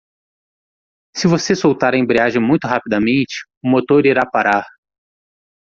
Se você soltar a embreagem muito rapidamente?, o motor irá parar.